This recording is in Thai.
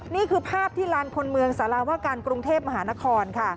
นี่คือภาพที่ลานคนเมืองสาราว่าการกรุงเทพมหานครค่ะ